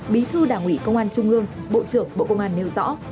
bí thư đảng ủy công an trung ương bộ trưởng bộ công an nêu rõ